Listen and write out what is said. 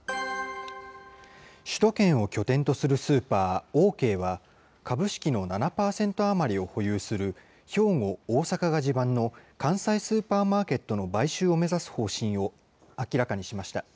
首都圏を拠点とするスーパー、オーケーは、株式の７％余りを保有する兵庫、大阪が地盤の関西スーパーマーケットの買収を目指す方針を明らかにしました。